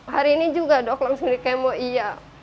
hari ini juga dok langsung dikemo iya